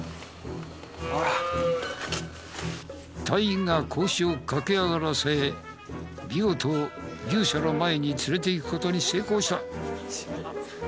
隊員が子牛を駆け上がらせ見事牛舎の前に連れて行く事に成功した。